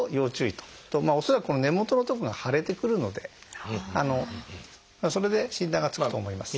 恐らくこの根元のとこが腫れてくるのでそれで診断がつくと思います。